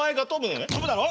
跳ぶだろ？